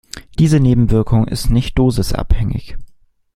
Diese Nebenwirkung ist nicht dosisabhängig.